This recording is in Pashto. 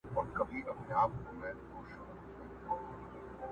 زما او ستا تر منځ یو نوم د شراکت دئ؛